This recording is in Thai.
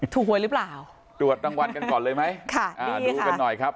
หวยหรือเปล่าตรวจรางวัลกันก่อนเลยไหมค่ะอ่าดูกันหน่อยครับ